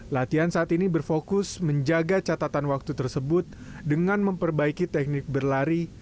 latihan saat ini berfokus menjaga catatan waktu tersebut dengan memperbaiki teknik berlari